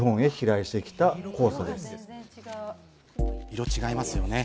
色、違いますよね。